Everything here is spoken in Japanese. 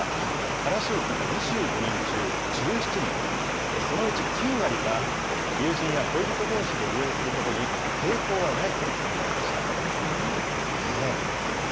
話を聞いた２５人中１７人、そのうち９割が、友人や恋人どうしで利用することに抵抗はないと答えました。